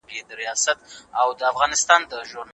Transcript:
د پوهي رڼا تیارې له منځه وړي.